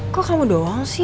kok kamu doang sih